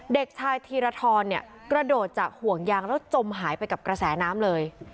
เด็กชายธีรทรกระโดดจากห่วงยางแล้วจมหายไปกับกระแสน้ำเลย